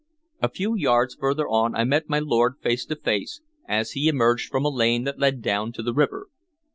A few yards further on I met my lord face to face, as he emerged from a lane that led down to the river.